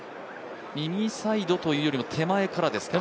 右サイドというよりも手前からですか。